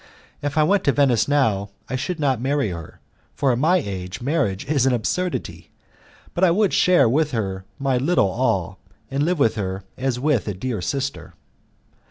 If I went to Venice now I should not marry her, for at my age marriage is an absurdity, but I would share with her my little all, and live with her as with a dear sister.